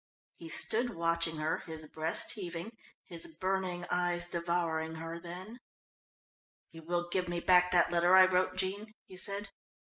He stood watching her, his breast heaving, his burning eyes devouring her, then: "You will give me back that letter I wrote, Jean?" he said.